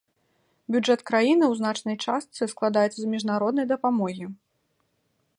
Бюджэт краіны ў значнай частцы складаецца з міжнароднай дапамогі.